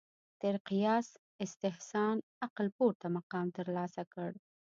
تر قیاس استحسان عقل پورته مقام ترلاسه کړ